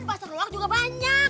masa luar juga banyak